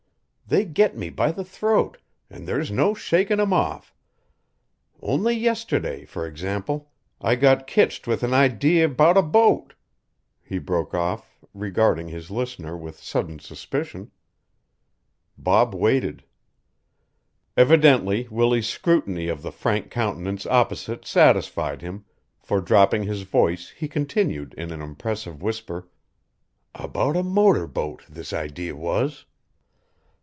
They get me by the throat, an' there's no shakin' 'em off. Only yesterday, fur example, I got kitched with an idee about a boat " he broke off, regarding his listener with sudden suspicion. Bob waited. Evidently Willie's scrutiny of the frank countenance opposite satisfied him, for dropping his voice he continued in an impressive whisper: "About a motor boat, this idee was."